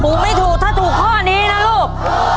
ถูกไม่ถูกถ้าถูกข้อนี้นะลูก